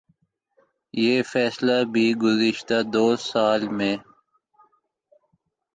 یہ فیصلہ بھی گزشتہ دو سال میں